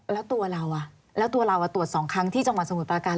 แล้วตัวเราแล้วตัวเราตรวจ๒ครั้งที่จังหวัดสมุทรประการ